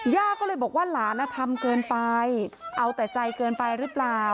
ย่าก็เลยบอกว่าหลานทำเกินไปเอาแต่ใจเกินไปหรือเปล่า